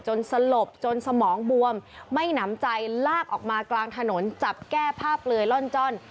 สลบจนสมองบวมไม่หนำใจลากออกมากลางถนนจับแก้ผ้าเปลือยล่อนจ้อน